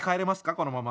このまま。